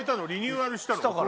リニューアルしたの？